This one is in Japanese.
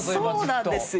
そうなんですよ！